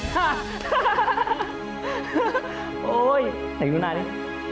เห็นดูหน้านี้